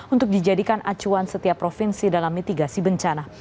untuk dijadikan acuan setiap provinsi dalam mitigasi bencana